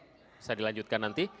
bisa dilanjutkan nanti